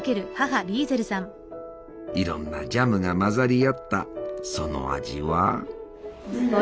いろんなジャムが混ざり合ったその味は？